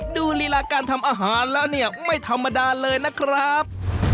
ลีลาการทำอาหารแล้วเนี่ยไม่ธรรมดาเลยนะครับ